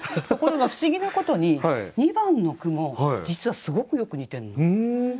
ところが不思議なことに２番の句も実はすごくよく似てるの。